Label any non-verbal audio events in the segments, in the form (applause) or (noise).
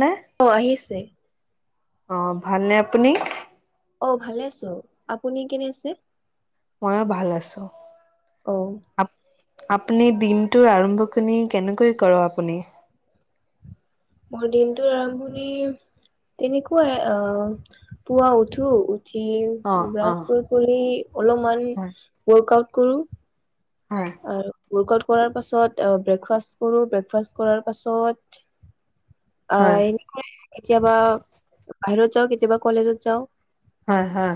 নে অ আহিছে। অ ভালনে আপুনি? অ ভালে আছোঁ। আপুনি কেনে আছে? ময়ো ভাল আছোঁ। অ। আপ-আপুনি দিনটোৰ আৰম্ভখিনি কেনেকৈ কৰে আপুনি? মোৰ দিনটোৰ আৰম্ভণি তেনেকুৱাই আহ পুৱা উঠো উঠি অ অ ব্ৰাছ কৰি অলপমান হয় ৱৰ্ক আউট কৰোঁ। হয়। আৰু ৱৰ্কআউট কৰাৰ পাছত ব্ৰেকফাষ্ট কৰোঁ, ব্ৰেকফাষ্ট কৰাৰ পাছত (inaudible) হয় আহ এনেকে কেতিয়াবা বাহিৰত যাওঁ, কেতিয়াবা কলেজত যাওঁ। হয় হয়।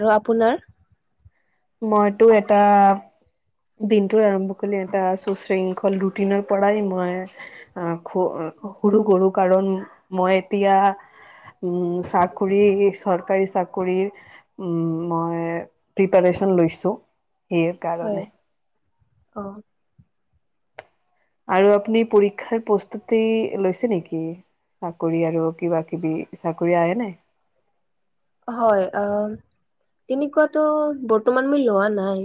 আৰু আপোনাৰ? মইতো এটা দিনটোৰ আৰম্ভ কৰিলি এটা সুশৃংখল ৰুটিনৰ পৰাই মই আহ খ সৰু কৰু কাৰণ মই এতিয়া উম চাকৰি চৰকাৰী চাকৰিৰ উম মই প্ৰিপাৰচন লৈছোঁ সেই হয় কাৰণে। অ। আৰু আপুনি পৰীক্ষাৰ প্ৰস্তুতি লৈছে নেকি? চাকৰি আৰু কিবা কিবি, চাকৰি আহে নাই। হয়, অ তেনেকুৱাতো বৰ্তমান মই লোৱা নাই।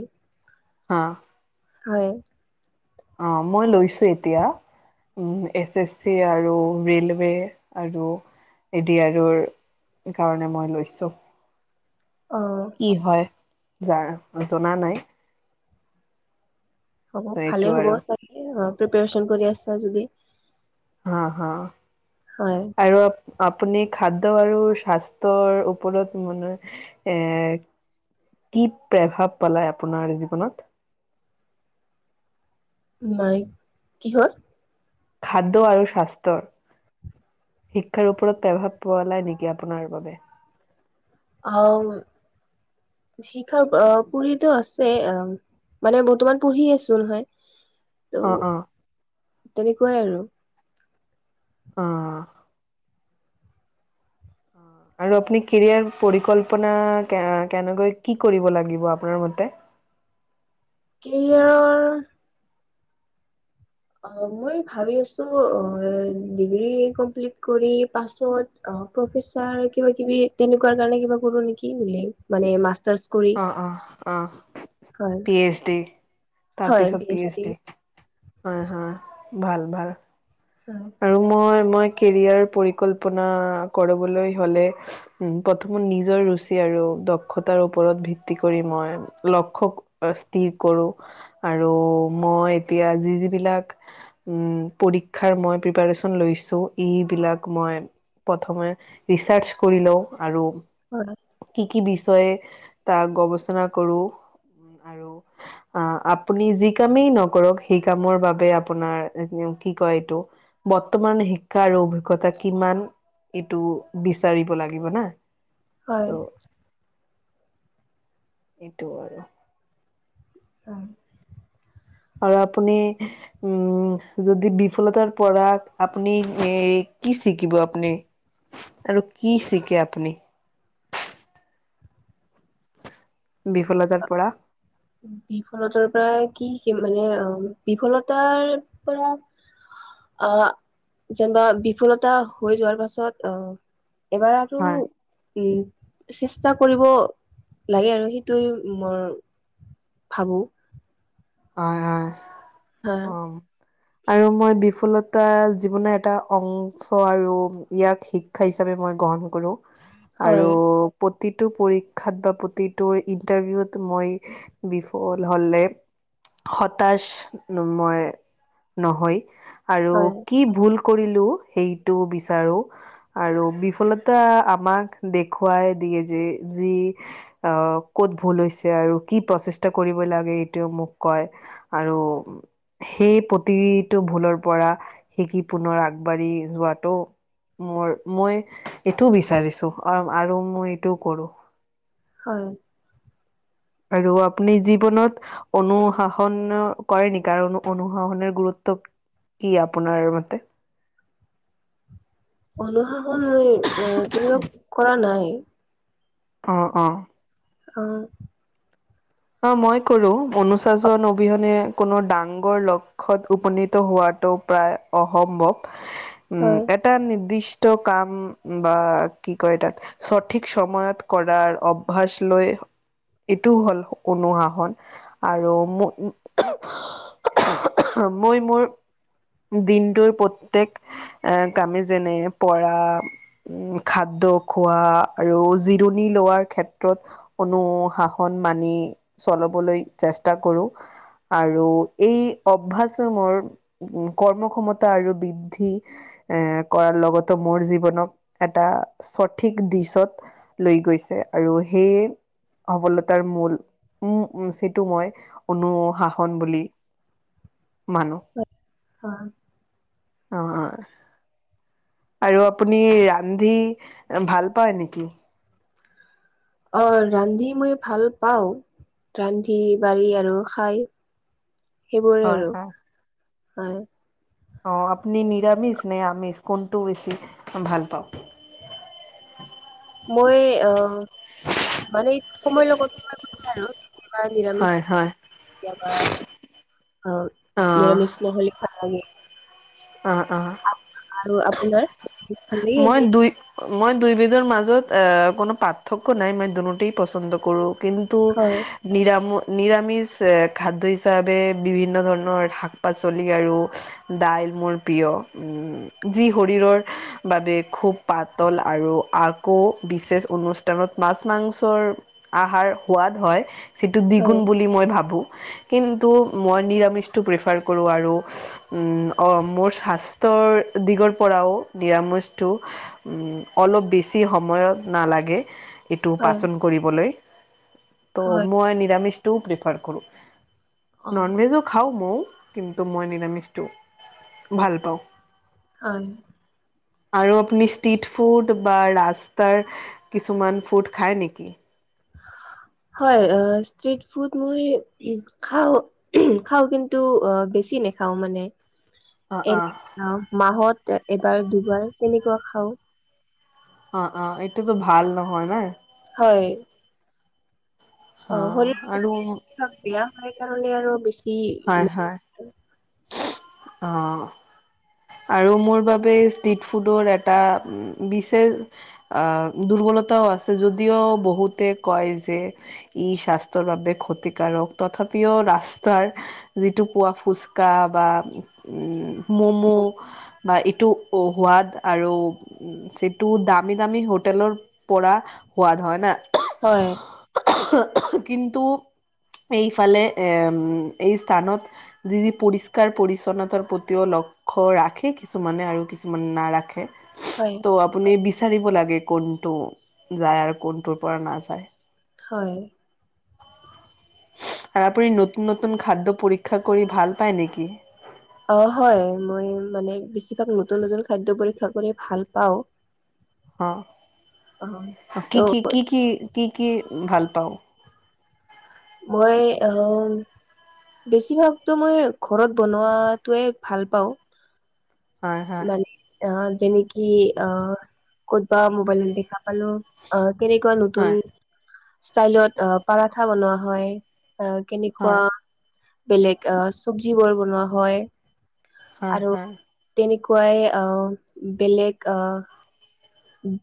অ। হয়। অ মই লৈছো এতিয়া। এছ এছ চি আৰু ৰেলৱে আৰু এ ডি আৰৰ সেইকাৰণে মই লৈছোঁ। অ। কি হয় জা জনা নাই। হ'ব এইটো ভালে হ'ব আৰু চাগে অ প্ৰিপাৰেচন কৰি আছা যদি। হা হা হয় আৰু আপুনি খাদ্য আৰু স্বাস্থ্যৰ ওপৰত মানে এ কি প্ৰভাৱ পেলায় আপোনাৰ জীৱনত নাই কিহত খাদ্য আৰু স্বাস্থ্যৰ শিক্ষাৰ ওপৰত প্ৰভাৱ পৰা নাই নেকি আপোনাৰ বাবে? অহ শিক্ষাৰ আহ পৰিতো আছে আহ মানে বৰ্তমান পঢ়ি আছো নহয় অ অ তেনেকোৱাই আৰু। অ (inaudible) আৰু আপুনি কেৰিয়াৰ পৰিকল্পনা কেনেকৈ কি কৰিব লাগিব আপোনাৰ মতে? কেৰিয়াৰৰ অ মই ভাবি আছো অ ডিগ্ৰী কমপ্লিট কৰি পাছত অ প্ৰফেছাৰ কিবা কিবি তেনেকোৱাৰ কাৰণে কিবা কৰো নেকি মানে মাষ্টাৰচ অ অ অ পি এইচ ডি তাৰপিছত পি এইচ ডি হয় হয় ভাল ভাল উ আৰু মই মই কেৰিয়াৰ পৰিকল্পনা কৰিবলৈ হ'লে প্ৰথমত নিজৰ ৰুচি আৰু দক্ষতাৰ ওপৰত ভিত্তি কৰি মই লক্ষ্য অ স্থিৰ আৰু মই এতিয়া যি যিবিলাক উম পৰীক্ষাৰ মই প্ৰিপাৰেচন লৈছো এইবিলাক মই প্ৰথমে ৰিচাৰ্চ কৰি লওঁ আৰু হয় কি কি বিষয়ে তাক গৱেষনা কৰো আৰু আহ আপুনি যি কামেই নকৰক সেই কামৰ বাবে আপোনাৰ কি কয় এইটো বৰ্তমান শিক্ষা আৰু অভিজ্ঞতা কিমান এইটো বিচাৰিব লাগিব না হয় তো এইটো আৰু অ আৰু আপুনি উম যদি বিফলতাৰ পৰা আপুনি এ কি শিকিব আপুনি? আৰু কি শিকে আপুনি বিফলতাৰ পৰা? বিফলতাৰ পৰা কি শিকিব মানে অ বিফলতাৰ পৰা আহ যেনিবা বিফলতা হৈ যোৱাৰ পাছত আহ এবাৰ আৰু হয় উম চেষ্টা কৰিব লাগে আৰু সেইটোৱে মোৰ ভাবো হয় হয় হা উম আৰু মই বিফলতা জীৱনৰ এটা অংশ আৰু ইয়াক শি ক্ষা হিচাপে মই গ্ৰহণ কৰো, আৰু হয় প্ৰতিটো পৰীক্ষাত বা প্ৰতিটোৰ ইণ্টাৰভিউত মই বিফল হ'লে হতাশ মই নহয়, আৰু হয় কি ভুল কৰিলো সেইটো বিচাৰো। আৰু বিফলতা আমাক দেখুৱাই দিয়ে যে যি- অঁ ক'ত ভুল হৈছে আৰু কি প্ৰচেষ্টা কৰিব লাগে এইটোৱে মোক- কয় আৰু- সেই প্ৰতিটো ভুলৰ পৰা শিকি পুনৰ আগবাঢ়ি যোৱাটো- মোৰ মই এইটো বিচাৰিছো অঁ আৰু মই এইটো কৰো। হয়। আৰু আপুনি জীৱনত- অনুশাসন কৰে নেকি? আৰু অনুশাসনৰ গুৰুত্ব- কি আপোনাৰ মতে? অনুশাসন এই এ তেনেকুৱা কৰা নাই। অঁ' অঁ'। অঁ' অঁ' মই কৰো অনুশাসন অবিহনে কোনো ডাঙৰ লক্ষ্যত উপনীত হোৱাটো- প্ৰায় অসম্ভৱ। (inaudible) উম' এটা নিৰ্দিষ্ট কাম বা কি কয় তাত- সঠিক সময়ত কৰাৰ অভ্যাস লৈ এইটো হ'ল- অনুশাসন। আৰু মো- মই মোৰ দিনটোৰ প্ৰত্যেক- এঁ কামে যেনে পঢ়া- উম' খাদ্য খোৱা আৰু জিৰণি লোৱাৰ ক্ষেত্ৰত- অনুশাসন মানি চলবলৈ চেষ্টা কৰো। আৰু এই অভ্যাসে মোৰ- কৰ্ম ক্ষমতা আৰু বৃদ্ধি- এঁ কৰাৰ লগতে মোৰ জীৱনক এটা সঠিক দিশত- লৈ গৈছে আৰু সেই সফলতাৰ মূল- উম উম সেইটো মই অনুশাসন বুলি- মানো। হয়। অঁ অঁ। আৰু আপুনি ৰান্ধি ভাল পায় নেকি? অঁ' ৰান্ধি মই ভাল পাওঁ, ৰান্ধি বাঢ়ি আৰু খাই। সেইবোৰ হয় আৰু, হয়। অঁ' আপুনি নিৰামিষ নে আমিষ, কোনটো বেছি ভাল পায়? মই অঁ' মানে সময়ৰ লগতে (unintelligible) আৰু- কেতিয়াবা নিৰামিষ হয় হয় কেতিয়াবা অঁ নিৰামিষ নহ'লে- আমি- অঁ অঁ'। আৰু আপোনাৰ? ভালেই মই এনে দুই- মই দুইবিধৰ মাজত এ কোনো পাৰ্থক্য নাই, মই দুইবিধেই পচন্দ কৰো। কিন- তো- হয় নিৰাম নিৰামিষ খাদ্য হিচাপে বিভিন্ন ধৰণৰ শাক পাচলি আৰু- দাইল মোৰ প্ৰিয়। উম' যি শৰীৰৰ- বাবে খুব পাতল আৰু আকৌ বিশেষ অনুষ্ঠানত মাছ মাংসৰ- আহাৰ সোৱাদ হয়, সেইটো হয় দ্বিগুণ বুলি মই ভাবো। কিন্তু, মই নিৰামিষটো প্ৰিফাৰ কৰো আৰু। উমঁ' অঁ' মোৰ স্বাস্থ্যৰ দিগৰ পৰাও নিৰাময়- টো উমঁ' অলপ বেছি সময়ও নালাগে এইটো হয় পাচন কৰিবলৈ ত' হয় মই নিৰামিষটো প্ৰিফাৰ কৰোঁ। অ ন'নভেজো খাওঁ ময়ও কিন্তু মই নিৰামিষটো ভাল পাওঁ। হয়। আৰু আপুনি ষ্ট্ৰিট ফুড বা ৰাস্তাৰ কিছুমান ফ্ৰুইত খায় নেকি? হয়, ষ্ট্ৰিট ফুড মই খাওঁ। খাওঁ কিন্তু অঁ' বেছি নেখাওঁ মানে। অহ'-অহ'। অঁ' মাহত এবাৰ দুবাৰ তেনেকুৱা খাওঁ। অঁ' অঁ' এইটোতো ভাল নহয় না। হয়। অ অঁ শৰীৰৰ আৰু মো বেয়া হয় কাৰণে আৰু বেছি- অঁ। আৰু মোৰ বাবে ষ্ট্ৰিট ফুডৰ এটা বিশেষ- আহ' দুৰ্বলতাও আছে যদিও বহুতে কয় যে- ই স্বাস্থ্যৰ বাবে ক্ষতিকাৰক। তথাপিও ৰাস্তাৰ যিটো পোৱা ফুচ কা বা ম'ম'। বা ইটো সুৱাদ আৰু- যিটো দামী দামী হোটেলৰ পৰা সোৱাদ হয় না। হয়। কিন্তু- এইফালে এ' এই স্থানত যি-যি- পৰিষ্কাৰ পৰি্ছন্নতাৰ প্ৰতিও লক্ষ্য ৰাখে কিছুমানে আৰু নাৰাখে। হয়। ত' আপুনি বিচাৰিব লাগে কোনটো যায় আৰু কোনটোৰ পৰা নাযায়। হয়। আৰু আপুনি নতুন-নতুন খাদ্য পৰীক্ষা কৰি ভাল- পায় নেকি? অঁ' হয়, মই মানে বেছিভাগ নতুন নতুন খাদ্য পৰীক্ষা কৰি ভাল পাওঁ। অ অঁ' ত' কি কি, কি কি কি কি ভাল পাওঁ? মই আহ'- বেচিভাগটো মই ঘৰত বনোৱাতোৱে ভাল পাওঁ। হয় হয়। মানে আহ' যেনেকে আহ' ক'তবা মোবাইলত দেখা পালোঁ। অহ' কেনেকুৱা নতুন হয় ষ্টাইলত পাৰঠা বনোৱা হয়- আহ' কেনেকুৱা হয় বেলেগ আহ' চব্জিবোৰ বনোৱা হয়। হয় আৰু হয়। তেনেকুৱাই আহ' বেলেগ আহ'-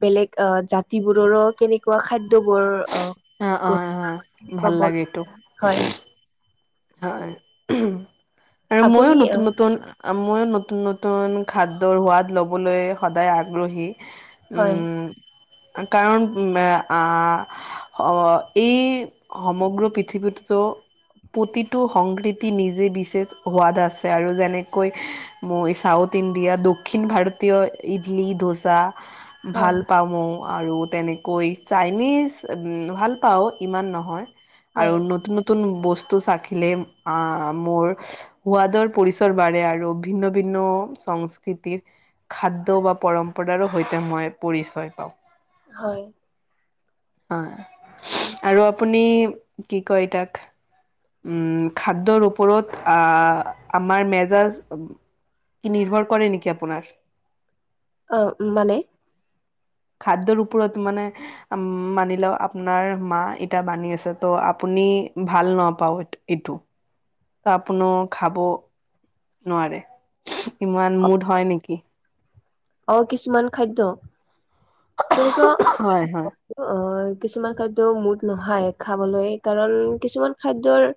বেলেগ আহ' জাতিবোৰৰো কেনে কুৱা খাদ্যবোৰ অ' অ' হয় ভাল অঁ' লাগে এইটো (unintelligible) হয়। হয় আৰু মইও আপুনি আহ নতুন নতুন- মইয়ো নতুন নতুন খাদ্যৰ সোৱাদ ল'বলৈ সদায় আগ্ৰহী। হয় উমঁ' কাৰণ আহ'- অ এই সমগ্ৰ পৃথিৱীততো প্ৰতিটো সংক্ৰীতি নিজে বিশেষ সোৱাদ আছে আৰু যেনেকৈ মই চাউথ ইণ্ডিয়া, দক্ষিণ ভাৰতীয় ইডলি, দোচা হয় ভাল পাব। আৰু তেনেকৈ চাইনিজ উম ভাল পাওঁ ইমান নহয়। হয় আৰু নতুন নতুন বস্তু চাখিলে আহ মোৰ সোৱাদৰ পৰিচৰ বাঢ়ে আৰু ভিন্ন ভিন্ন সংস্কৃতিৰ খাদ্য বা পৰম্পৰাৰো সৈতে মই পৰিচয় পাওঁ। হয়। হয়। উম। আৰু আপুনি কি কয় তাক? উম খাদ্যৰ ওপৰত আহ আমাৰ মেজাজ কি নিৰ্ভৰ কৰে নেকি আপোনাৰ? অ মানে। খাদ্যৰ ওপৰত মানে উম মানি লও আপোনাৰ মা এটা বানী আছে ত' আপুনি ভাল নপাও এইটো এইটো। ত আপুনো খাব নোৱাৰে, ইমান মুদ হয় নেকি? অ কিছুমান খাদ্য, তেনেকুৱা হয় হয় অ কিছুমান খাদ্য মুদ নহয় খাবলৈ কাৰণ কিছুমান খাদ্যৰ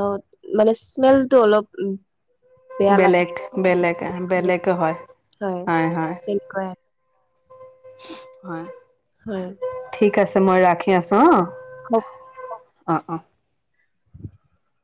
অ মানে স্মেলটো অলপ উ বেলেগ বেলেগ আ বেলেগে হয়। হয় তেনেকুৱাই আৰু। হয়। হয়। ঠিক আছে মই ৰাখি আছো অ। হ হ, অ অ।